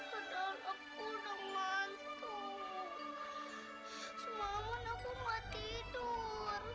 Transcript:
padahal aku udah mantul